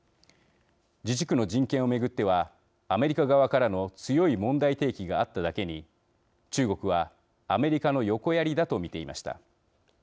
自治区の人権を巡ってはアメリカ側からの強い問題提起があっただけに中国は、アメリカの横やりだと見ていました。